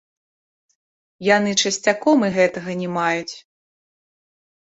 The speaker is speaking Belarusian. Яны часцяком і гэтага не маюць.